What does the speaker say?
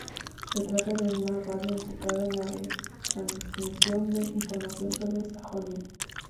Se trata de una radio enfocada en la retransmisión de información sobre Sajonia.